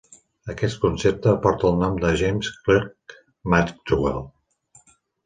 Aquest concepte porta el nom de James Clerk Maxwell.